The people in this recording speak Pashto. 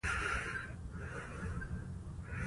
افغانستان د تالابونه لپاره مشهور دی.